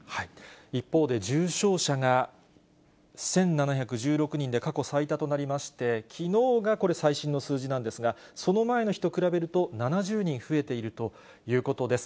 一方で重症者が１７１６人で過去最多となりまして、きのうがこれ、最新の数字なんですが、その前の日と比べると、７０人増えているということです。